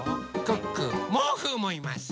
クックーモウフーもいます。